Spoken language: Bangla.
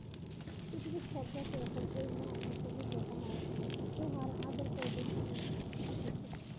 পৃথিবীর সব জাতিই এখন এই মহাসত্য বুঝিয়া উহার আদর করিতে শিখিতেছে।